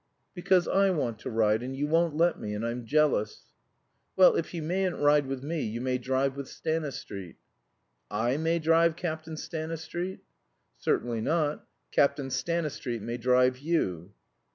'" "Because I want to ride, and you won't let me, and I'm jealous." "Well, if you mayn't ride with me, you may drive with Stanistreet." "I may drive Captain Stanistreet?" "Certainly not; Captain Stanistreet may drive you."